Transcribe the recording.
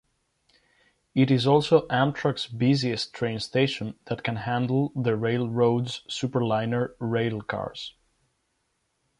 It is also Amtrak's busiest train station that can handle the railroad's Superliner railcars.